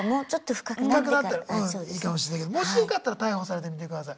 深くなったらいいかもしんないけどもしよかったら逮捕されてみてください。